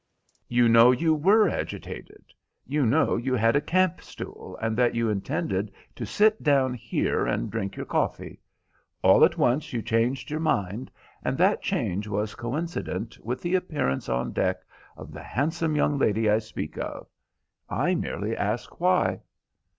You know you were agitated. You know you had a camp stool, and that you intended to sit down here and drink your coffee. All at once you changed your mind, and that change was coincident with the appearance on deck of the handsome young lady I speak of. I merely ask why?"